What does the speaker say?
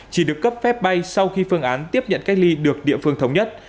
chỉ được cấp phép bay sau khi phương án tiếp nhận cách ly được địa phương thống nhất